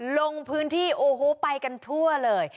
ลงพื้นที่โอ้โหไปกันทั่วเลย